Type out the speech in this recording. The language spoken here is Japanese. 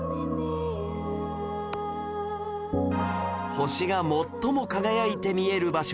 星が最も輝いて見える場所